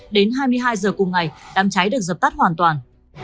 đến hai mươi hai h cùng ngày đám cháy được dập tắt hoàn toàn